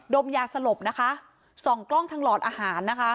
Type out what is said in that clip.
มยาสลบนะคะส่องกล้องทางหลอดอาหารนะคะ